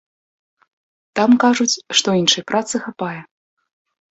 Там кажуць, што іншай працы хапае.